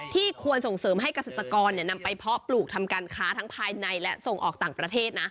ควรส่งเสริมให้เกษตรกรนำไปเพาะปลูกทำการค้าทั้งภายในและส่งออกต่างประเทศนะ